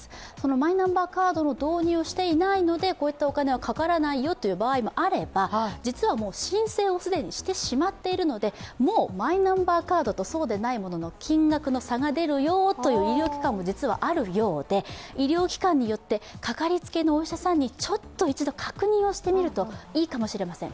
マイナンバーカードを導入をしていないのでこういったお金はかからないよという場合もあれば実はもう申請を既にしてしまっているのでもうマイナンバーカードとそうでないものの金額の差が出るよという医療機関も実はあるようで、医療機関によってかかりつけのお医者さんにちょっと一度確認をしてみるといいかもしれません。